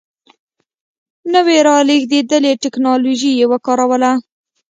نوې رالېږدېدلې ټکنالوژي یې وکاروله.